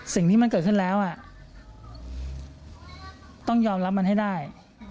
สิ่งที่มันเกิดขึ้นแล้วต้องยอมรับมันให้ได้